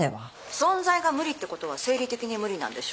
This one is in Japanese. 存在が無理ってことは生理的に無理なんでしょ？